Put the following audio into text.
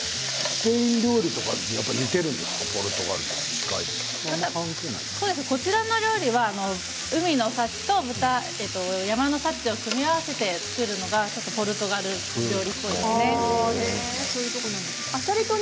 ちょっとこちらの料理は海の幸と山の幸を組み合わせて作るのがポルトガル料理っぽいですね。